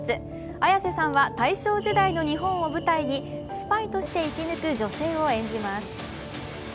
綾瀬さんは大正時代の日本を舞台にスパイとして生き抜く女性を演じます。